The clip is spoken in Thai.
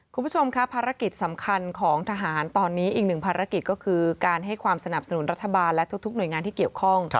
คุณผู้ชมครับภารกิจสำคัญของทหารตอนนี้อีกหนึ่งภารกิจก็คือการให้ความสนับสนุนรัฐบาลและทุกหน่วยงานที่เกี่ยวข้อง